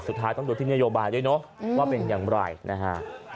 สุดท้ายต้องดูที่นโยบายด้วยเนอะว่าเป็นอย่างไรนะฮะ